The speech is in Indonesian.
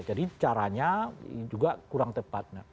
jadi caranya juga kurang tepat